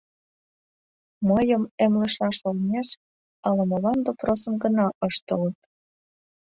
— Мыйым эмлышаш олмеш ала-молан допросым гына ыштылыт.